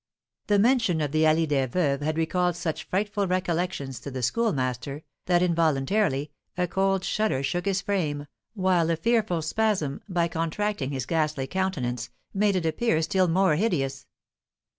The mention of the Allée des Veuves had recalled such frightful recollections to the Schoolmaster, that, involuntarily, a cold shudder shook his frame, while a fearful spasm, by contracting his ghastly countenance, made it appear still more hideous.